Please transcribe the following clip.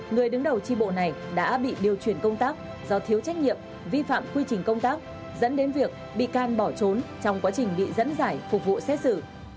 người đứng đầu tri bộ này đã bị điều chuyển công tác do thiếu trách nhiệm vi phạm quy trình công tác dẫn đến việc bị can bỏ trốn trong quá trình bị dẫn giải phục vụ xét xử